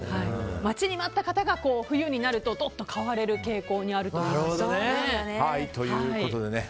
待ちに待った方が冬になるとどっと買われる傾向にあるということですね。